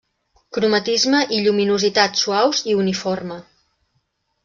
Cromatisme i lluminositat suaus i uniforme.